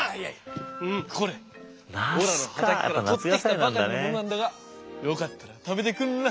これおらの畑からとってきたばかりのものなんだがよかったら食べてくんろ。